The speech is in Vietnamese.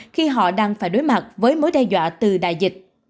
khi họ đang phải đối mặt với mối đe dọa từ đại dịch